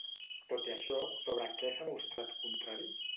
Tot i això, sobre què s'ha mostrat contrari?